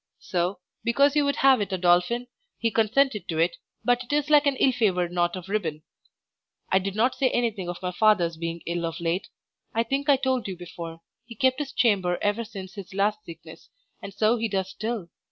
So, because you would have it a dolphin, he consented to it, but it is like an ill favoured knot of ribbon. I did not say anything of my father's being ill of late; I think I told you before, he kept his chamber ever since his last sickness, and so he does still.